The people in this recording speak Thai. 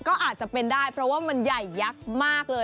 ก็อาจจะเป็นได้เพราะว่ามันใหญ่ยักษ์มากเลย